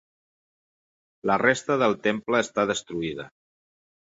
La resta del temple està destruïda.